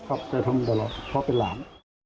ครับแต่ทำมาตลอดเพราะเป็นหลาน